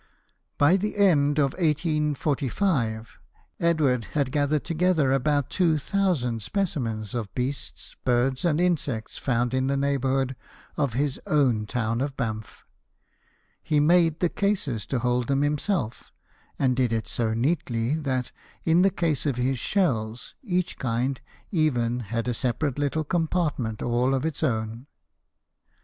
THOMAS EDWARD, SHOEMAKER. 177 By the year 1845, Edward had gathered together about two thousand specimens of beasts, birds, and insects found in the neigh bourhood of his own town of Banff. He made the cases to hold them himself, and did it so neatly that, in the case of his shells, each kind had even a separate little compartment all of its own.